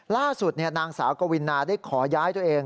ล่าสุดเนี่ยนางสาวกวินนาได้ขอย้าให้ตัวเอง